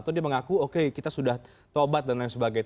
atau dia mengaku oke kita sudah tobat dan lain sebagainya